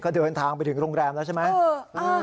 เขาเดินทางไปถึงโรงแรมแล้วใช่ไหมเอออ่า